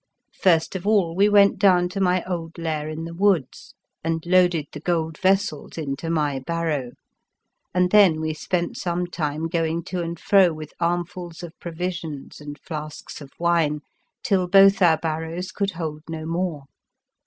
First of all we went down to my old lair in the woods and loaded the gold vessels into my barrow, and then we spent some time going to and fro with armfuls of provisions and flasks of wine till both our barrows could hold no more.